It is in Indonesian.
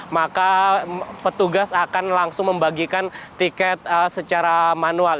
maka petugas akan langsung membagikan tiket secara manual